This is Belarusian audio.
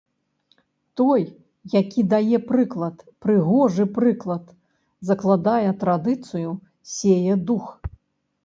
Той, які дае прыклад, прыгожы прыклад, закладае традыцыю, сее дух.